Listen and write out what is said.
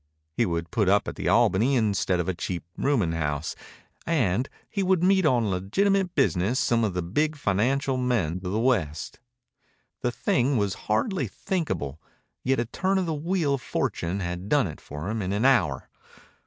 He would put up at the Albany instead of a cheap rooming house, and he would meet on legitimate business some of the big financial men of the West. The thing was hardly thinkable, yet a turn of the wheel of fortune had done it for him in an hour.